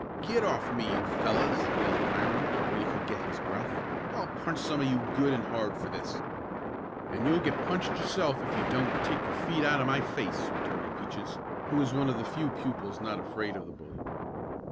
"Get off me, you fellows!" yelled Hiram, when he could get his breath. "I'll punch some of you good and hard for this!" "And you'll get punched yourself if you don't take your feet out of my face!" retorted Peaches, who was one of the few pupils not afraid of the bully.